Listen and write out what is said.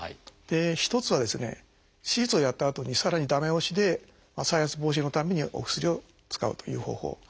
一つはですね手術をやったあとにさらに駄目押しで再発防止のためにお薬を使うという方法。